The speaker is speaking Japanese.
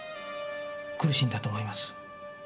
苦しんだと思います。